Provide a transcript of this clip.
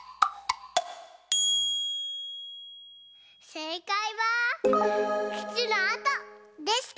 せいかいは「くつのあと」でした！